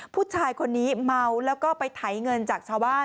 ผู้ชายคนนี้เมาแล้วก็ไปไถเงินจากชาวบ้าน